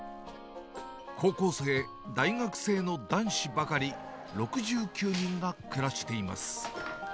高校生、大学生の男子ばかり６９人が暮らしています。